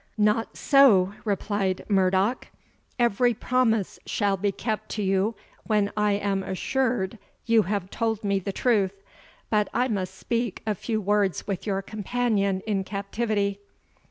"Not so," replied Murdoch; "every promise shall be kept to you when I am assured you have told me the truth. But I must speak a few words with your companion in captivity."